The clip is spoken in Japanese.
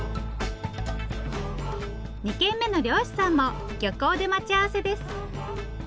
２軒目の漁師さんも漁港で待ち合わせです。